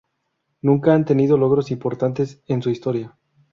Nunca han tenido logros importantes en su historia.